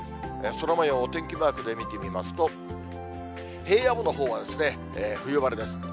空もようをお天気マークで見てみますと、平野部のほうは冬晴れです。